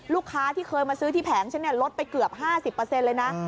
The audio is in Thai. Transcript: ลูกค้าที่เคยมาซื้อที่แผงฉันลดไปเกือบ๕๐เลยนะ